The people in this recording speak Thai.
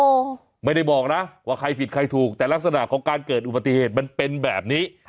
โอ้โหไม่ได้บอกนะว่าใครผิดใครถูกแต่ลักษณะของการเกิดอุบัติเหตุมันเป็นแบบนี้